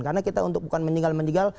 karena kita untuk bukan meninggal meninggal